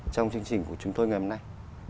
trong chương trình của chúng tôi ngày hôm nay